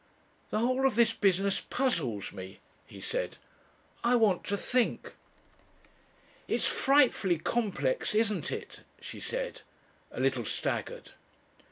"The whole of this business puzzles me," he said. "I want to think." "It's frightfully complex, isn't it?" she said a little staggered.